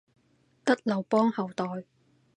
得劉邦後代